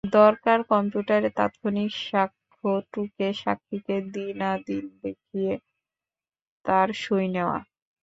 দরকার, কম্পিউটারে তাৎক্ষণিক সাক্ষ্য টুকে সাক্ষীকে দিনাদিন দেখিয়ে তাঁর সই নেওয়া।